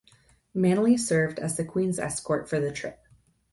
Manley served as the Queen's escort for the trip.